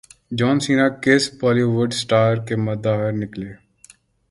جان Cena کس Bollywood star کے مداح نکلے